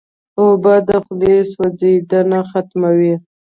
اوبه د خولې سوځېدنه ختموي.